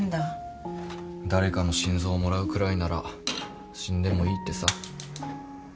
誰かの心臓をもらうくらいなら死んでもいいってさ。